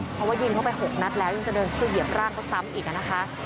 เพราะว่ายิงเข้าไป๖นัดแล้วยังจะเดินเข้าไปเหยียบร่างเขาซ้ำอีกนะคะ